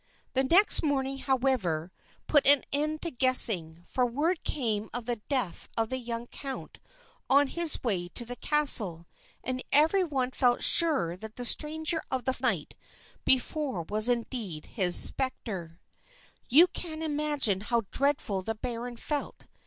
The next morning, however, put an end to guessing, for word came of the death of the young count on his way to the castle, and every one felt sure that the stranger of the night before was indeed his spectre. You can imagine how dreadful the baron felt.